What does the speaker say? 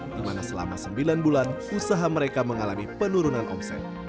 di mana selama sembilan bulan usaha mereka mengalami penurunan omset